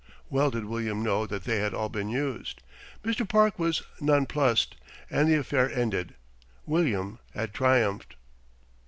Well did William know that they had all been used. Mr. Park was non plussed, and the affair ended. William had triumphed.